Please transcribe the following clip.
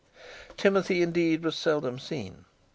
Timothy, indeed, was seldom seen.